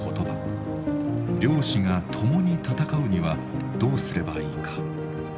漁師が共に戦うにはどうすればいいか。